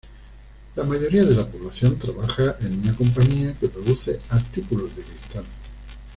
La mayoría de la población trabaja en una compañía que produce artículos de cristal.